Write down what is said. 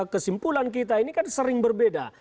kesimpulan kita ini kan sering berbeda